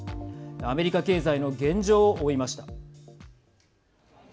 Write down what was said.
アメリカ経済の現状を追いました。